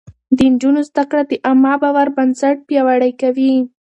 د نجونو زده کړه د عامه باور بنسټ پياوړی کوي.